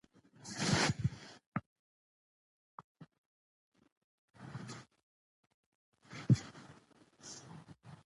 که خویندې ښکاریانې وي نو ځنګل به امن نه وي.